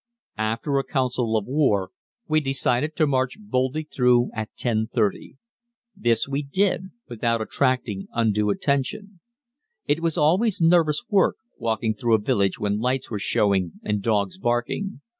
After a council of war we decided to march boldly through at 10.30. This we did without attracting undue attention. It was always nervous work walking through a village when lights were showing and dogs barking.